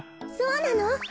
そうなの！